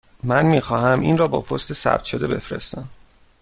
من می خواهم این را با پست ثبت شده بفرستم.